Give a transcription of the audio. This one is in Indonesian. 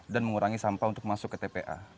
dan mengurangi sampah untuk masuk ke tpa